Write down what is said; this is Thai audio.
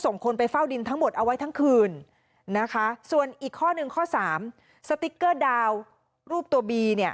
ส่วนอีกข้อหนึ่งข้อ๓สติ๊กเกอร์ดาวรูปตัวบี